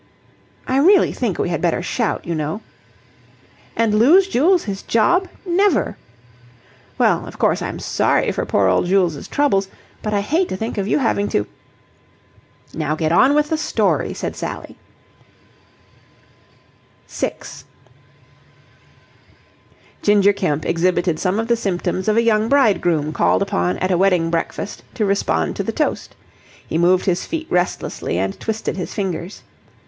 "I really think we had better shout, you know." "And lose Jules his job? Never!" "Well, of course, I'm sorry for poor old Jules' troubles, but I hate to think of you having to..." "Now get on with the story," said Sally. 6 Ginger Kemp exhibited some of the symptoms of a young bridegroom called upon at a wedding breakfast to respond to the toast. He moved his feet restlessly and twisted his fingers.